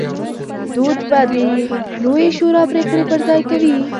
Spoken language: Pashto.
دوج به د لویې شورا پرېکړې پر ځای کوي